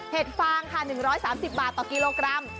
ฟางค่ะ๑๓๐บาทต่อกิโลกรัม